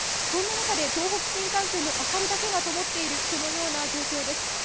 そんな中で東北新幹線の明かりだけがともっている状況です。